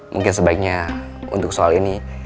mungkin sebaiknya untuk soal ini